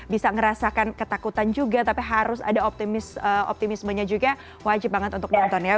bisa ngerasakan ketakutan juga tapi harus ada optimismenya juga wajib banget untuk nonton ya